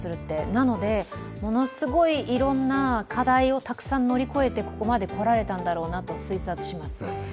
なので、ものすごいいろんな課題をたくさん乗り越えて、ここまでこられたんだろうなと推察します。